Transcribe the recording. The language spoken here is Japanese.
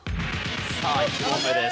さあ１問目です。